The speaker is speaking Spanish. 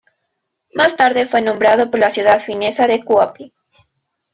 Más tarde fue nombrado por la ciudad finesa de Kuopio.